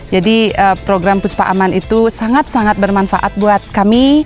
jadi program puspa aman itu sangat sangat bermanfaat buat kami